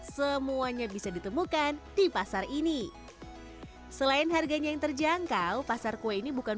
semuanya bisa ditemukan di pasar ini selain harganya yang terjangkau pasar kue ini bukan